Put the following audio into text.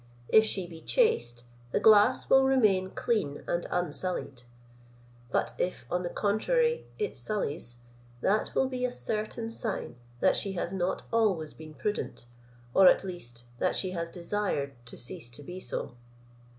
If she be chaste, the glass will remain clean and unsullied; but if, on the contrary, it sullies, that will be a certain sign that she has not always been prudent, or at least that she has desired to cease to be so.